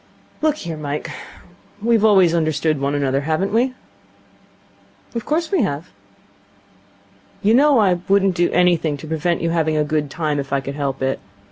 'Look here, Mike, we've always understood one another, haven't we?' 'Of course we have.' 'You know I wouldn't do anything to prevent you having a good time, if I could help it.